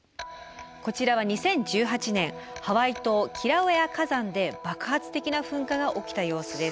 こちらは２０１８年ハワイ島キラウエア火山で爆発的な噴火が起きた様子です。